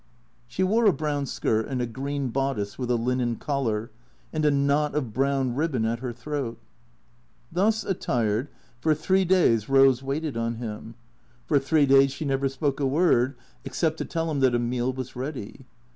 She wore a brown skirt, and a green bodice with a linen collar, and a knot of brown ribbon at her throat. Thus attired, for three days Eose waited on him. For three THECREATORS 21 days she never spoke a word except to tell him that a meal was ready.